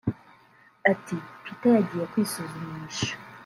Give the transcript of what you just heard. Ati “Peter yagiye kwisuzumisha